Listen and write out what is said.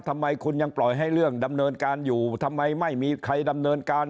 ทำไมคุณยังปล่อยให้เรื่องดำเนินการอยู่ทำไมไม่มีใครดำเนินการ